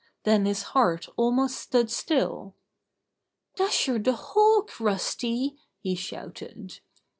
Then his heart almost stood still. "Dasher the Hawk, Rusty!" he shouted.